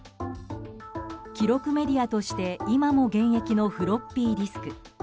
記録メディアとして今も現役のフロッピーディスク。